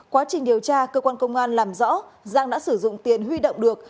quá trình điều tra cơ quan công an làm rõ giang đã sử dụng tiền huy động được